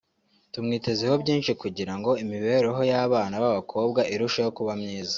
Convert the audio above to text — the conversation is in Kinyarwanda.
tumwitezeho byinshi kugira ngo imibereho y’abana b’abakobwa irusheho kuba myiza